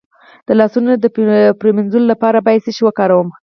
د لاسونو د مینځلو لپاره باید څه شی وکاروم؟